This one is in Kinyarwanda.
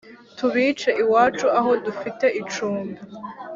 Tubice iwacu aho dufite icumbi